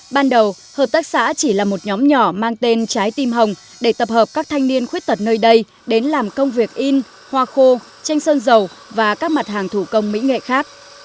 ban đầu hợp tác xã chỉ là một nhóm nhỏ mang tên trái tim hồng để tập hợp các thanh niên khuyết tật nơi đây đến làm công việc in hoa khô chanh sơn dầu và các mặt hàng thủ công mỹ nghệ khác